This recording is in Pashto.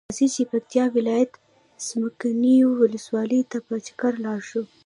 راځۀ چې پکتیا ولایت څمکنیو ولسوالۍ ته په چکر لاړشو.